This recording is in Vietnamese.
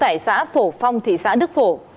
giải xã phổ phong thị xã đức phổ